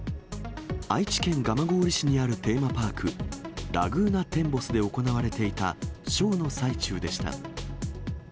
愛知県蒲郡市にあるテーマパーク、ラグーナテンボスで行われていたショーの最中でした。